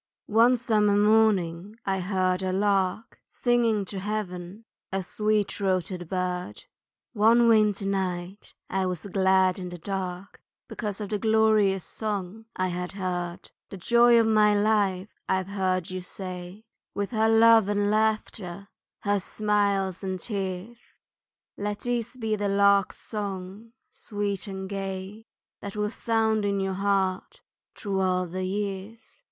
One summer morning I heard a lark Singing to heaven, a sweet throated bird, One winter night I was glad in the dark, Because of the glorious song I had heard. "The joy of my life," I've heard you say, "With her love and laughter, her smiles and tears" Let these be the lark's song, sweet and gay, That will sound in your heart through all the years.